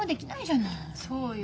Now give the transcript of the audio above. そうよ。